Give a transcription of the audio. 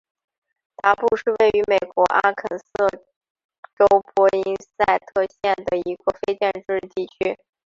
达布是位于美国阿肯色州波因塞特县的一个非建制地区。